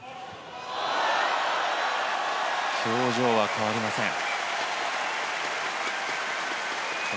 表情は変わりません、奥原。